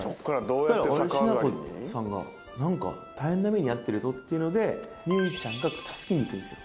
しなこさんが何か大変な目に遭ってるぞっていうのでみうちゃんが助けに行くんですよ。